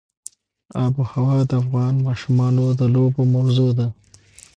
آب وهوا د افغان ماشومانو د لوبو موضوع ده.